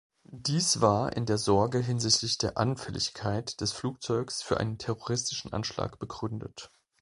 Dies war in der Sorge hinsichtlich der Anfälligkeit des Flugzeugs für einen terroristischen Anschlag begründet.